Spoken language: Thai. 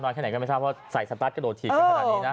นอนแค่ไหนก็ไม่ทราบว่าใส่สัปดาห์ก็โดดฉีดขึ้นขนาดนี้นะ